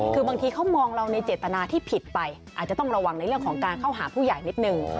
คือบางทีเขามองเราในเจตนาที่ผิดไปอาจจะต้องระวังในเรื่องของการเข้าหาผู้ใหญ่นิดนึง